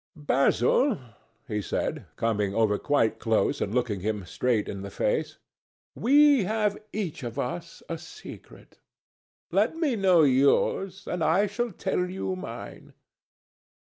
"Basil," he said, coming over quite close and looking him straight in the face, "we have each of us a secret. Let me know yours, and I shall tell you mine.